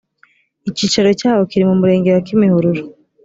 icyicaro cyawo kiri mu murenge wa kimihurura